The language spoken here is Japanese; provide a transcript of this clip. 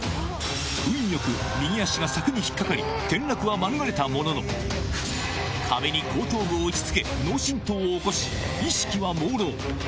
運よく右足が柵に引っかかり、転落は免れたものの、壁に後頭部を打ちつけ、脳震とうを起こし、意識はもうろう。